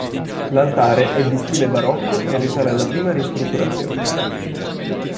L'altare è di stile barocco e risale alla prima ristrutturazione.